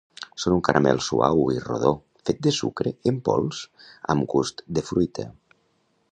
Són un caramel suau i rodó fet de sucre en pols amb gust de fruita.